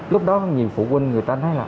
lúc đó nhiều phụ huynh người ta nói là